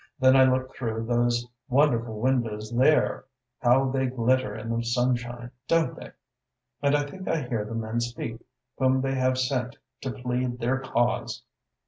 Then I look through those wonderful windows there how they glitter in the sunshine, don't they! and I think I hear the men speak whom they have sent to plead their cause.